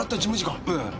ええ。